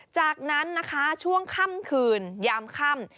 จากนั้นนะคะช่วงค่ำคืนยามค่ำ